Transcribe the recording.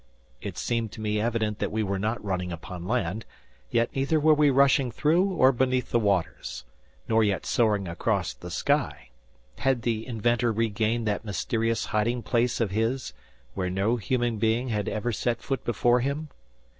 It seemed to me evident that we were not running upon land. Yet neither were we rushing through or beneath the waters; nor yet soaring across the sky. Had the inventor regained that mysterious hiding place of his, where no human being had ever set foot before him?